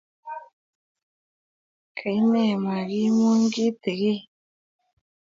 Kaine magimuy kitingin?